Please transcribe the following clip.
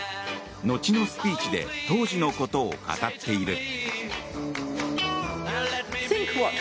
のちのスピーチで当時のことを語っている。